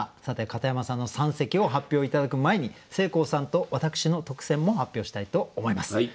さて片山さんの三席を発表頂く前にせいこうさんと私の特選も発表したいと思います。